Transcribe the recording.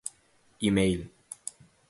email